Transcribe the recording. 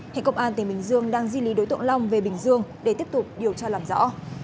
hiện công an tỉnh bình dương đang di lý đối tượng long về bình dương để tiếp tục điều tra làm rõ